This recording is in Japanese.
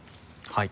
はい。